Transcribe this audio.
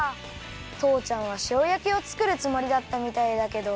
とうちゃんはしおやきをつくるつもりだったみたいだけど。